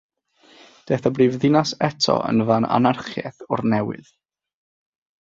Daeth y Brifddinas eto yn fan anarchiaeth o'r newydd.